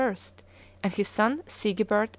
and his son Sigebert II.